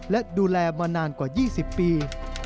และดูแลมานานกว่า๒๐ปี